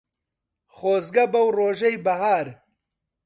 خۆزگە بەو ڕۆژەی بەهار